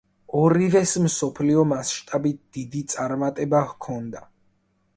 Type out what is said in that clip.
ორივეს მსოფლიო მასშტაბით დიდი წარმატება ჰქონდა.